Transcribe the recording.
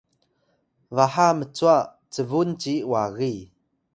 baha mcwa cbun ci wagi